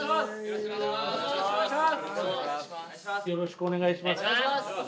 よろしくお願いします。